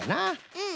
うん。